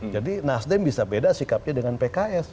jadi nasdem bisa beda sikapnya dengan pks